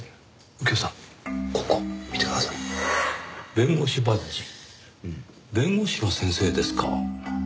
弁護士の先生ですか。